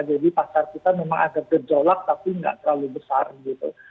jadi pasar kita memang agak gejolak tapi nggak terlalu besar gitu